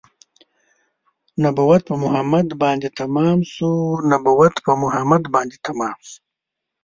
نبوت په محمد باندې تمام شو نبوت په محمد باندې تمام شو